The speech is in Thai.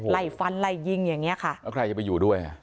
ไล่ฟันไล่ยิงอย่างเงี้ยค่ะแล้วใครจะไปอยู่ด้วยอ่ะ